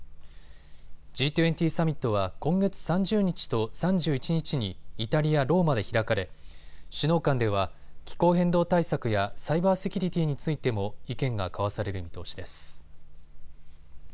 Ｇ２０サミットは今月３０日と３１日にイタリア・ローマで開かれ首脳間では気候変動対策やサイバーセキュリティーについても意見が交わされる見通しです。